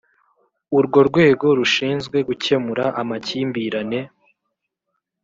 urwo rwego rushinzwe gukemura amakimbirane